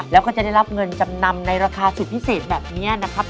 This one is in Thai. แล้วก็จะได้รับเงินจำนำในราคาสุดพิเศษแบบนี้นะครับ